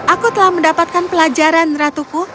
aku telah mendapatkan pelajaran ratuku